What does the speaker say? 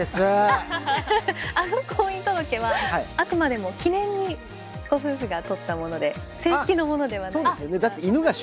あの婚姻届はあくまでも記念にご夫婦が撮ったもので正式なものではないですが。